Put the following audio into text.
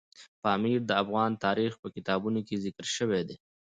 پامیر د افغان تاریخ په کتابونو کې ذکر شوی دی.